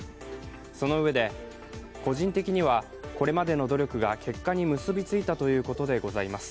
そのうえで、個人的にはこれまでの努力が結果に結び付いたということでございます